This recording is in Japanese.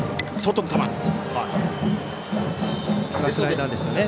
スライダーですね。